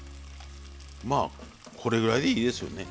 まあこれぐらいでいいですよね。